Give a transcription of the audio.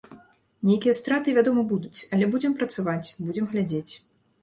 Нейкія страты, вядома, будуць, але будзем працаваць, будзем глядзець.